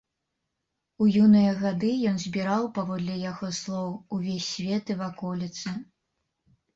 У юныя гады ён збіраў, паводле яго слоў, увесь свет і ваколіцы.